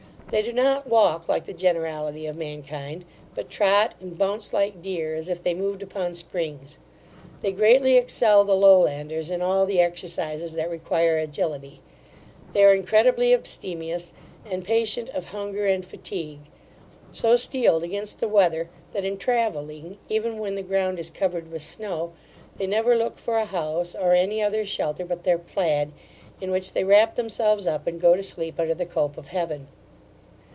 They do not walk like the generality of mankind, but trot and bounce like deer, as if they moved upon springs. They greatly excel the Lowlanders in all the exercises that require agility; they are incredibly abstemious, and patient of hunger and fatigue, so steeled against the weather, that in travelling, even when the ground is covered with snow, they never look for a house, or any other shelter but their plaid, in which they wrap themselves up, and go to sleep under the cope of heaven.